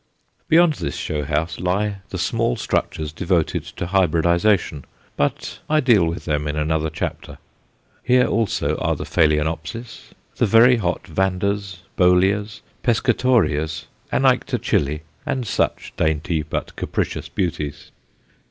Beyond this show house lie the small structures devoted to "hybridization," but I deal with them in another chapter. Here also are the Phaloenopsis, the very hot Vandas, Bolleas, Pescatoreas, Anæctochili, and such dainty but capricious beauties.